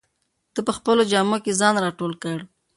ده په خپلو جامو کې ځان راټول کړ.